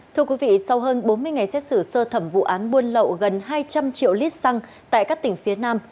thưa quý vị sau hơn bốn mươi ngày xét xử sơ thẩm vụ án buôn lậu gần hai trăm linh triệu lít xăng tại các tỉnh phía nam